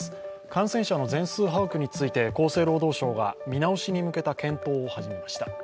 感染者の全数把握について厚生労働省が見直しに向けた検討を始めました。